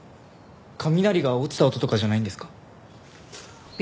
雷が落ちた音とかじゃないんですか？